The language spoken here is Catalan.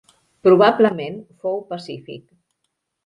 Probablement fou pacífic.